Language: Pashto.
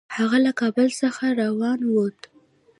هغه له کابل څخه را ونه ووت.